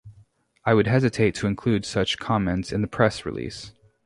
I would hesitate to include such comments in the press release.